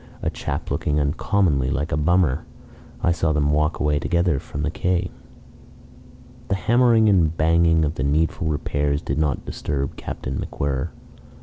A chap looking uncommonly like a bummer. I saw them walk away together from the quay." The hammering and banging of the needful repairs did not disturb Captain MacWhirr.